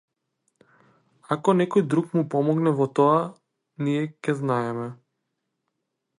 Ако некој друг му помогне во тоа, ние ќе знаеме.